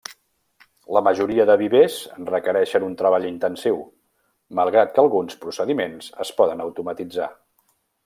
La majoria de vivers requereixen un treball intensiu, malgrat que alguns procediments es poden automatitzar.